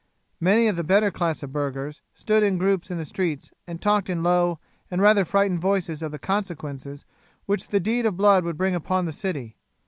Many of the better class of burghers stood in groups in the streets and talked in low and rather frightened voices of the consequences which the deed of blood would bring upon the city.